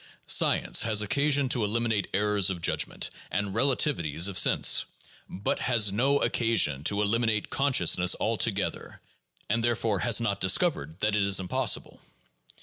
Science has occasion to eliminate errors of judgment and relativities of sense, but has no occasion to eliminate consciousness altogether; and therefore has not discovered that it is impossible.